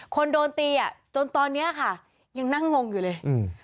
คนโดนตีอ่ะจนตอนนี้ค่ะยังนั่งงงอยู่เลยอืม